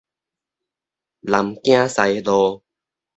南京西路